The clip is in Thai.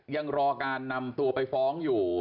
ยังรอการนำตัวไปฟ้องอยู่